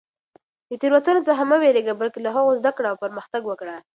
د تېروتنو څخه مه وېرېږه، بلکې له هغوی زده کړه او پرمختګ وکړه.